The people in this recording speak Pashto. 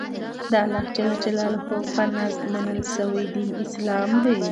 دالله ج په نزد منل شوى دين اسلام دى.